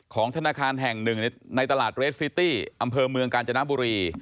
ธนาคารแห่งหนึ่งในตลาดเรสซิตี้อำเภอเมืองกาญจนบุรี